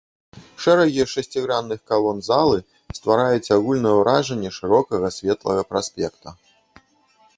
Шэрагі шасцігранных калон залы ствараюць агульнае ўражанне шырокага светлага праспекта.